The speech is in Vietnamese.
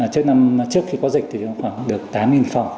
trước năm trước khi có dịch thì khoảng được tám phỏ